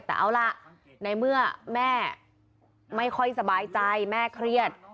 แต่เอาล่ะในเมื่อแม่ไม่ค่อยสบายใจแม่เครียด